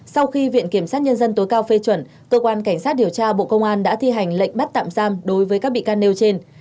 sau khi viện kiểm sát nhân dân tối cao phê chuẩn cơ quan cảnh sát điều tra bộ công an đã thi hành lệnh bắt tạm giam đối với các bị can nêu trên